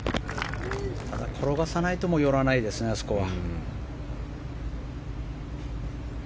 ただ、転がさないと寄らないですね。あそこは。